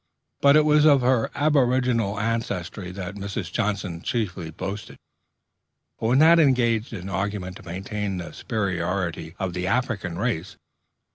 But it was of her aboriginal ancestry that Mrs. Johnson chiefly boasted, when not engaged in argument to maintain the superiority of the African race.